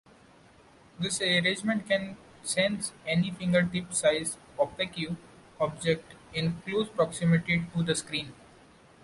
This arrangement can sense any fingertip-sized opaque object in close proximity to the screen.